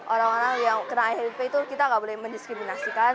orang orang yang kena hiv itu kita nggak boleh mendiskriminasikan